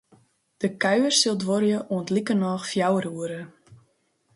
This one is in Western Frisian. De kuier sil duorje oant likernôch fjouwer oere.